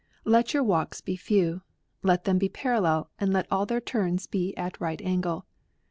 Let your walks be few ; let them be par allel, and let all their turns be at right angle.